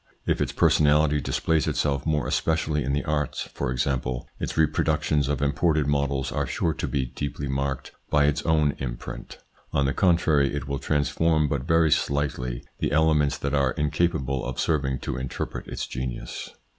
If its personality displays itself more especially in the arts, for example, its reproductions of imported models are sure to be deeply marked by its own imprint. On the contrary it will transform but very slightly the elements that are incapable of serving to interpret its genius.